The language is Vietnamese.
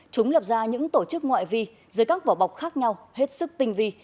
chúng lập ra những tổ chức ngoại vi dưới các vỏ bọc khác nhau hết sức tinh vi